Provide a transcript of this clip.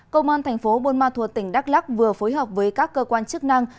công an thành phố buôn ma thuột tỉnh đắk lắc vừa phối hợp với các cơ quan chức năng